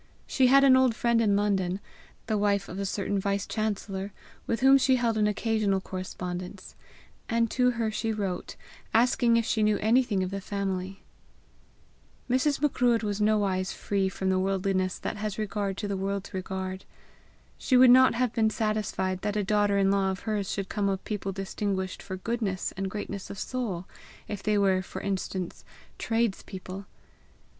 She had an old friend in London, the wife of a certain vice chancellor, with whom she held an occasional correspondence, and to her she wrote, asking if she knew anything of the family. Mrs. Macruadh was nowise free from the worldliness that has regard to the world's regard. She would not have been satisfied that a daughter in law of hers should come of people distinguished for goodness and greatness of soul, if they were, for instance, tradespeople.